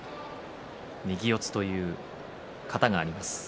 右四つという型があります。